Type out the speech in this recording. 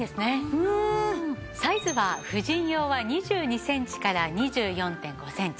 サイズは婦人用は２２センチから２４．５センチ。